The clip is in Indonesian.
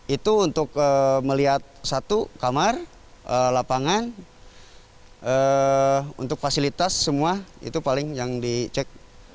itu untuk melihat satu kamar lapangan untuk fasilitas semua itu paling yang dicek